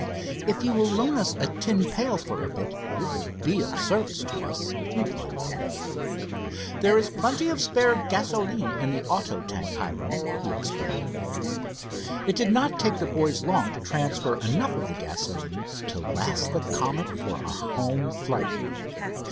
"If you will loan us a tin pail for a bit it will be of service to us," replied Dave. "There is plenty of spare gasoline in the auto tank, Hiram," he explained. It did not take the boys long to transfer enough of the gasoline to last the Comet for a home flight.